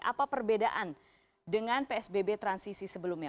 apa perbedaan dengan psbb transisi sebelumnya